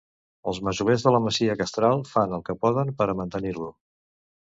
Els masovers de la masia castral fan el que poden per a mantenir-lo.